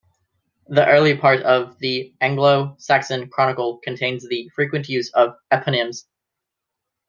The early part of the "Anglo Saxon Chronicle" contains the frequent use of eponyms.